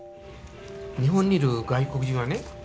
日本にいる外国人はね